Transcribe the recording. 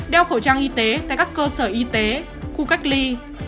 đeo khẩu trang y tế tại các cơ sở y tế khu cách ly